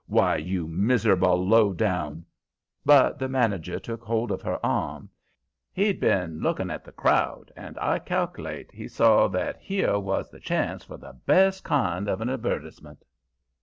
Why, you miserable, low down " But the manager took hold of her arm. He'd been looking at the crowd, and I cal'late he saw that here was the chance for the best kind of an advertisement.